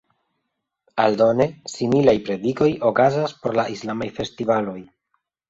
Aldone, similaj predikoj okazas por la islamaj festivaloj.